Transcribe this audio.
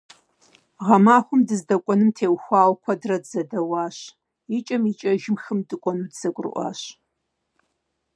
Гъэмахуэм дыздэкӀуэнум теухуауэ куэдрэ дызэдэуащ, икӀэм-икӀэжым хым дыкӀуэну дызэгурыӏуащ.